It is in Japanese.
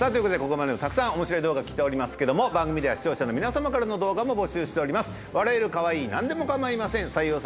ここまでもたくさん面白い動画来ておりますけども番組では視聴者の皆様からの動画も募集しております